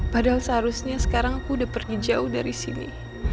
padahal seharusnya sekarang aku udah pergi jauh dari sini